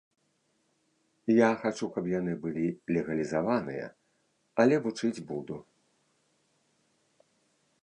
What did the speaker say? Я хачу, каб яны былі легалізаваныя, але вучыць буду.